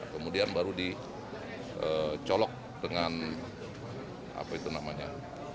kemudian baru dicolok dengan apa itu namanya